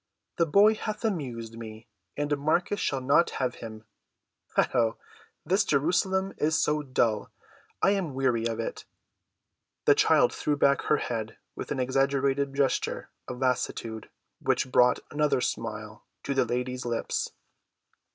"The boy hath amused me, and Marcus shall not have him. Heigho! this Jerusalem is so dull. I am weary of it." The child threw back her head with an exaggerated gesture of lassitude which brought another smile to the lady's lips.